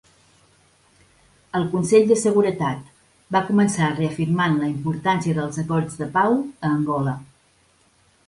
El Consell de Seguretat va començar reafirmant la importància dels acords de pau a Angola.